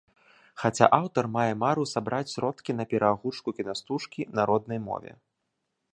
Хаця аўтар мае мару сабраць сродкі на пераагучку кінастужкі на роднай мове.